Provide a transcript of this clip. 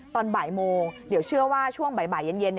ตอนบ่ายโมงเดี๋ยวเชื่อว่าช่วงบ่ายเย็น